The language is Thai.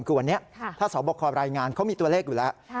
คือวันนี้ถ้าสอบคอรายงานเขามีตัวเลขอยู่แล้ว